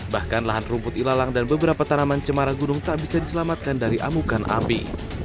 bahkan lahan rumput ilalang dan beberapa tanaman cemara gunung tak bisa diselamatkan dari amukan api